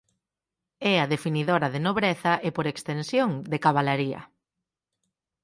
É a definidora de nobreza e por extensión de cabalaría.